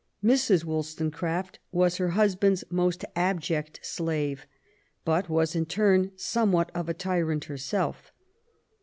Mrs. Wollstonecraft was her husband's most abject slave^ but was in turn somewhat of a tyrant herself.